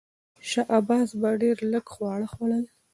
شاه عباس به ډېر لږ خواړه خوړل.